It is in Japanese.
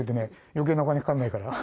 余計なお金かかんないから。